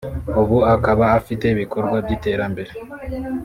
ubu akaba afite ibikorwa by’iterambere